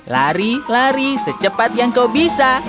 lari lari secepat yang kau bisa